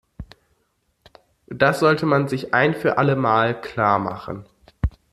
Das sollte man sich ein für alle Mal klar machen.